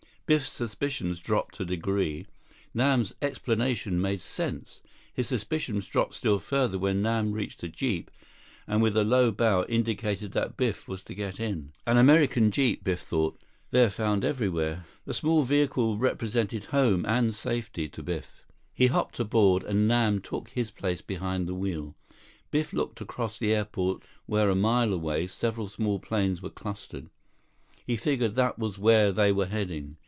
Biff's suspicions dropped a degree. Nam's explanation made sense. His suspicions dropped still further when Nam reached a jeep, and with a low bow, indicated that Biff was to get in. 30 An American jeep, Biff thought. They're found everywhere. The small vehicle represented home and safety to Biff. He hopped aboard, and Nam took his place behind the wheel. Biff looked across the airport where a mile away, several small planes were clustered. He figured that was where they were heading.